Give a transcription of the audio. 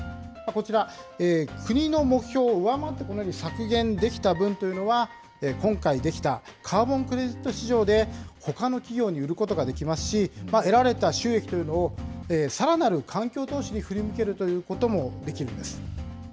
こちら、国の目標を上回ってこのように削減できた分というのは、今回できたカーボン・クレジット市場で、ほかの企業に売ることができますし、得られた収益というのを、さらなる環境投資に振り向けるということもできるんです。